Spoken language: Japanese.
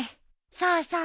そうそう。